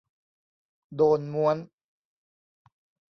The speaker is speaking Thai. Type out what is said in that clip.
โดนม้วน